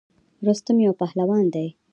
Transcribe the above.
رستم یو پهلوان دی.